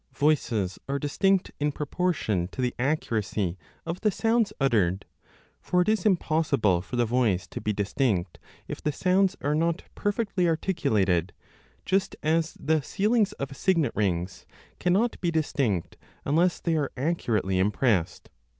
Voices are distinct in proportion to the accuracy of the sounds uttered ; for it is impossible for the voice to be distinct if the sounds are not perfectly articulated, just as the sealings of signet rings cannot be distinct unless they 5 are accurately impressed.